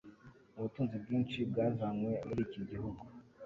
Ubutunzi bwinshi bwazanywe muri iki gihugu.